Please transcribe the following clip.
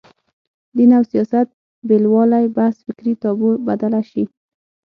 دین او سیاست بېلوالي بحث فکري تابو بدله شي